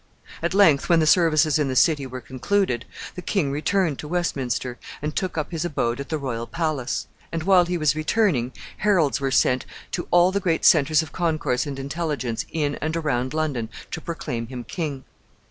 At length, when the services in the city were concluded, the king returned to Westminster, and took up his abode at the royal palace; and while he was returning, heralds were sent to all the great centres of concourse and intelligence in and around London to proclaim him king.